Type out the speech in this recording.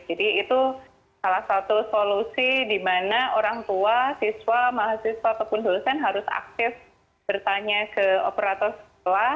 jadi itu salah satu solusi di mana orang tua siswa mahasiswa ataupun dosen harus aktif bertanya ke operator sekolah